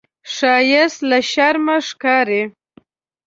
ښایست له شرمه ښکاري